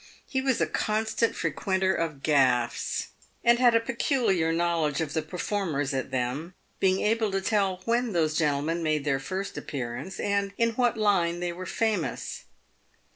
He was a constant frequenter of gaffs, and had a peculiar knowledge of the performers at them, being able to tell when those gentlemen made their first appearance, and in what "line" they were famous.